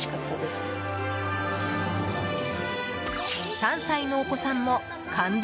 ３歳のお子さんも感動